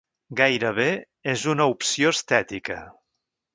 Gairebé és una opció estètica.